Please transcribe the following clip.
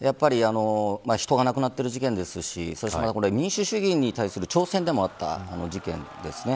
人が亡くなっている事件ですし民主主義に対する挑戦でもあった事件ですね。